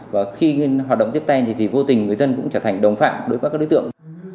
và khi hoạt động tiếp tay thì vô tình người dân cũng trở thành đồng phạm đối với các đối tượng